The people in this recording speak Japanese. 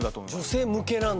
女性向けなんだ？